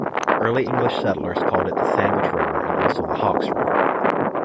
Early English settlers called it the "Sandwich River" and also the "Hawkes River".